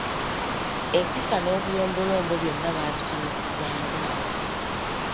Empisa n'obulombolombo byonna baasomesezanga awo.